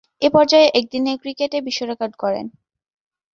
এ পর্যায়ে একদিনের ক্রিকেটে বিশ্বরেকর্ড গড়েন।